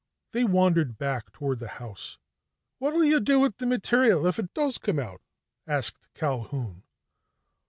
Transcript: They wandered back toward the house. "What'll you do with the material if it does come out?" asked Culquhoun.